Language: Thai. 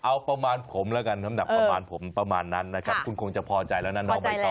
เอาประมาณผมแล้วกันน้ำหนักประมาณผมประมาณนั้นนะครับคุณคงจะพอใจแล้วนะน้องใบตอ